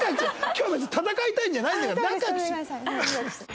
今日は別に戦いたいんじゃないんだから仲良くして。